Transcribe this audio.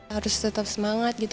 harus tetap semangat